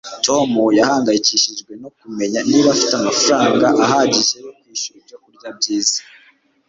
tom yahangayikishijwe no kumenya niba afite amafaranga ahagije yo kwishyura ibyo kurya byiza